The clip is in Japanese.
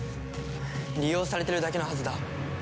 利用されてるだけのはずだ。